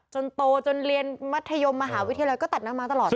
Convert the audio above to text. จนโตจนเลียนมธยมมหาวิทยาละเอาตัดหน้าม้างตลอด